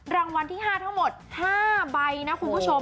รางวัลที่๕ทั้งหมด๕ใบนะคุณผู้ชม